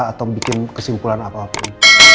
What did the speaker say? atau bikin kesimpulan apapun